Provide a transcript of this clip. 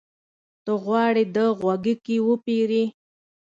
ته غواړې د غوږيکې وپېرې؟